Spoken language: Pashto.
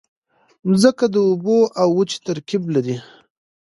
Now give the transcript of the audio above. مځکه د اوبو او وچې ترکیب لري.